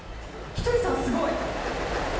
ひとりさん、すごい。